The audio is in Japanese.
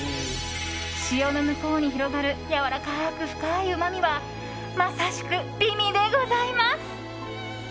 塩の向こうに広がるやわらかく深いうまみはまさしく美味でございます。